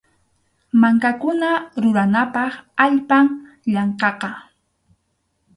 Mankakuna ruranapaq allpam llankaqa.